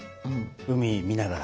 海見ながら。